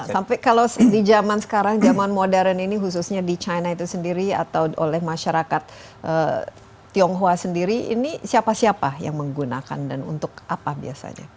tapi kalau di zaman sekarang zaman modern ini khususnya di china itu sendiri atau oleh masyarakat tionghoa sendiri ini siapa siapa yang menggunakan dan untuk apa biasanya